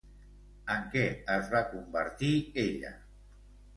En què es va convertir ella?